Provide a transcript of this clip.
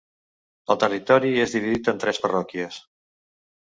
El territori és dividit en tres parròquies.